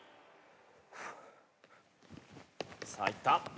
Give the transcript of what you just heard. さあいった。